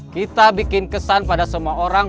kita bikin kesan pada semua orang